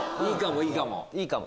いいかもいいかも！